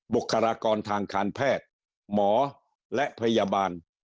บุษฏฐานแพทย์หมอและพยาบาล